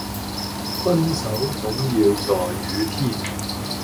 分手總要在雨天